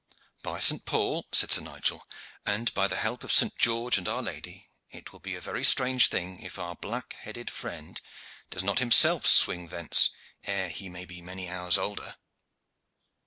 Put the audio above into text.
"By St. Paul!" said Sir Nigel, "and by the help of St. George and Our Lady, it will be a very strange thing if our black headed friend does not himself swing thence ere he be many hours older.